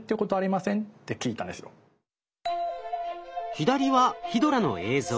左はヒドラの映像。